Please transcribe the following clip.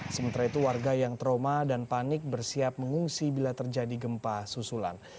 sementara itu warga yang trauma dan panik bersiap mengungsi bila terjadi gempa susulan